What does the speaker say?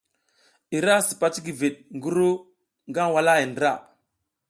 I ra sipas cikivid ngi ru nag walahay ndra.